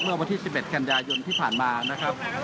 เมื่อวันที่๑๑กันยายนที่ผ่านมานะครับ